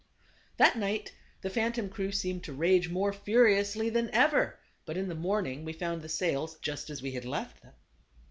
That night the phantom crew seemed to rage more furiously than ever, but in the morning we found the sails just as we had left them.